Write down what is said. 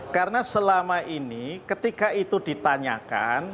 karena selama ini ketika itu ditanyakan